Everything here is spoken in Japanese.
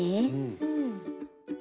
うん。